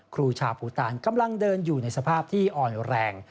ครูชาภูตานกำลังเดินอยู่ในสภาพที่อ่อนแรง